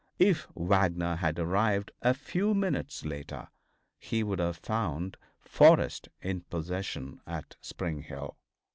If Wagner had arrived a few minutes later he would have found Forrest in possession at Spring Hill.